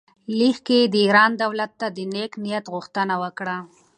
لیک کې یې د ایران دولت ته د نېک نیت غوښتنه وکړه.